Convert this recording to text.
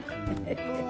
うわ。